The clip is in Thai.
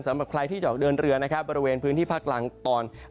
สำหรับใครที่จะออกเดินเรือนะครับบริเวณพื้นที่ภาคกลางตอน